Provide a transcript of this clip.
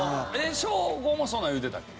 ショーゴもそんなん言うてたっけ？